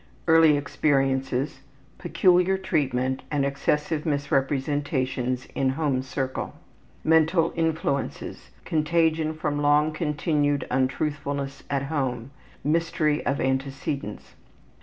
Early experiences: Peculiar treatment Case 2. and excessive misrepresentations Girl, age 19 years. in home circle. Mental influences: Contagion from long continued untruthfulness at home. Mystery of antecedents.